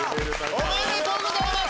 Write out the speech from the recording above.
おめでとうございます！